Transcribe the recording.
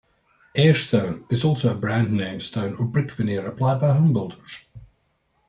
"Airstone" is also a brand name stone or brick veneer applied by homebuilders.